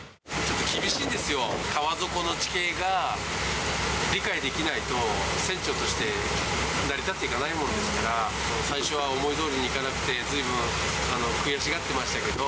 厳しいですよ、川底の地形が理解できないと、船長として成り立っていかないもんですから、最初は思いどおりにいかなくて、ずいぶん悔しがってましたけど。